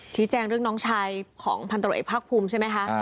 แจ้งเรื่องน้องชายของพันตรวจเอกภาคภูมิใช่ไหมคะ